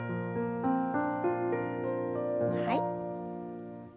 はい。